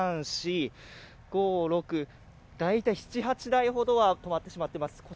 大体７８台ほどは止まってしまっています。